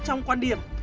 trong quan điểm